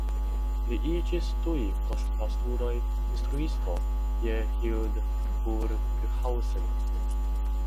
Li iĝis tuj post la studoj instruisto je Hildburghausen.